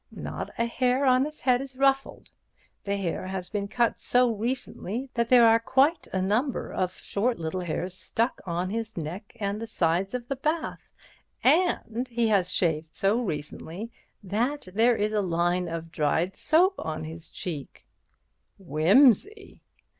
Not a hair on his head is ruffled—the hair has been cut so recently that there are quite a number of little short hairs stuck on his neck and the sides of the bath—and he has shaved so recently that there is a line of dried soap on his cheek—" "Wimsey!"